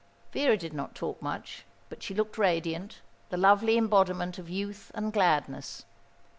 Vera did not talk much, but she looked radiant, the lovely embodiment of youth and gladness.